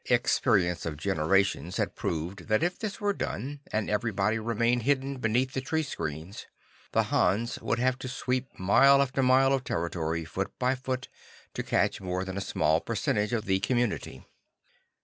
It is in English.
Experience of generations had proved that if this were done, and everybody remained hidden beneath the tree screens, the Hans would have to sweep mile after mile of territory, foot by foot, to catch more than a small percentage of the community.